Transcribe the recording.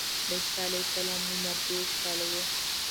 د عیسی علیه السلام عمر دېرش کاله و.